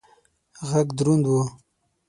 غږ دروند و.